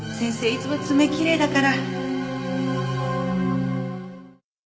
いつも爪きれいだから。